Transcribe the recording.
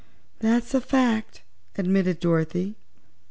"That's a fact," admitted Dorothy.